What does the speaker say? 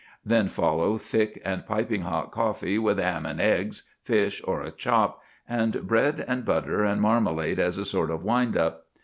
Then follow thick and piping hot coffee with 'am and eggs, fish, or a chop, and bread and butter and marmalade as a sort of wind up.